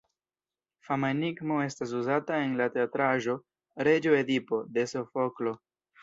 Fama enigmo estas uzata en la teatraĵo "Reĝo Edipo" de Sofoklo.